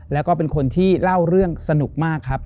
แล้วก็เป็นคนที่เล่าเรื่องสนุกมากครับ